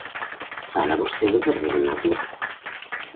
Fala vostede de Rede Natura.